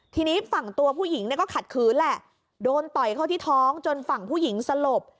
ทีนี้ฝั่งตัวผู้หญิงเนี่ยก็ขัดขืนแหละโดนต่อยเข้าที่ท้องจนฝั่งผู้หญิงสลบ